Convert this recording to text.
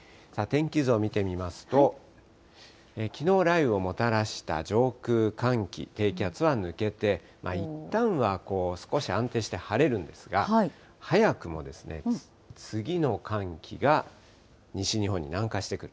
天気図を見てみますと、きのう、雷雨をもたらした上空寒気、低気圧は抜けて、いったんはこう、少し安定して晴れるんですが、早くも次の寒気が西日本に南下してくる。